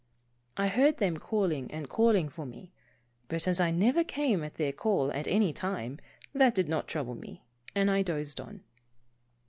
I heard them calling and calling for me, but as I never came at their call at any time, that did not trouble me and I dozed on.